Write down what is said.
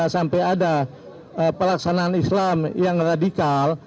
sampai ada pelaksanaan islam yang radikal